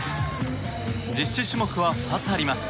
実施種目は２つあります。